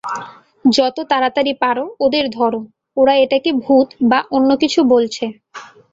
যত তাড়াতাড়ি পারো ওদের ধরো, ওরা এটাকে ভূত বা অন্য কিছু বলছে।